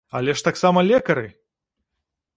Але ж таксама лекары!